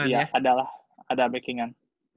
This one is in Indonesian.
iya ada lah ada backing an